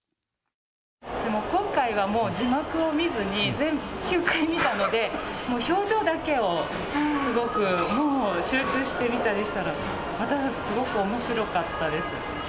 今回はもう字幕を見ずに、全部で９回見たので、もう表情だけを、すごく集中して見たりしたら、またすごくおもしろかったです。